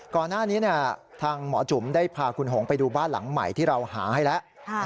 ก่อนหน้านี้ทางหมอจุ๋มได้พาคุณหงไปดูบ้านหลังใหม่ที่เราหาให้แล้ว